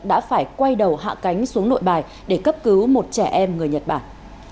đã phải quay đầu hạ cánh xuống nội bài để cấp cứu một trẻ em người nhật bản